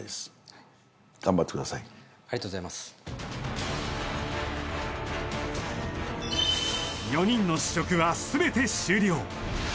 ありがとうございます４人の試食はすべて終了